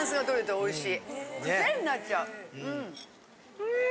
おいしい。